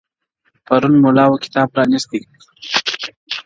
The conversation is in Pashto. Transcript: پرون مُلا وو کتاب پرانیستی،